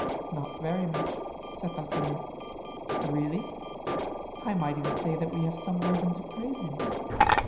"Not very much," said D'Artagnan. "Really!" "I might even say that we have some reason to praise him."